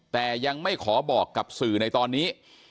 แต่ยังไม่ขอบอกกับสื่อในตอนนี้